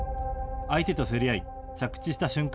相手と競り合い着地した瞬間